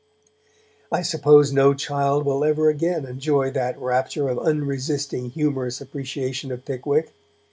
I suppose no child will ever again enjoy that rapture of unresisting humorous appreciation of 'Pickwick'.